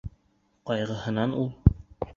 Ҡайғыһынан ул...